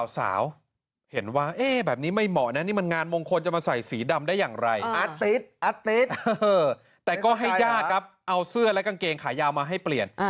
แต่ก็ให้ญาติครับเอาเสื้อและกางเกงขายาวมาให้เปลี่ยน